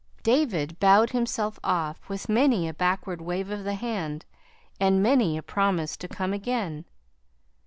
David bowed himself off, with many a backward wave of the hand, and many a promise to come again.